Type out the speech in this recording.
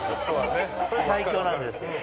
これ最強なんです。